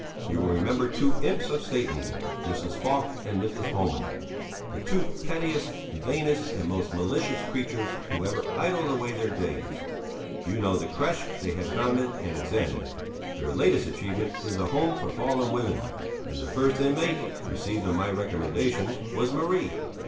You will remember two imps of Satan, Mrs. Falk and Mrs. Homan, the two pettiest, vainest and most malicious creatures who ever idled away their days. You know the crèche they had founded and its end. Their latest achievement is a Home for Fallen Women, and the first inmate received on my recommendation was Marie!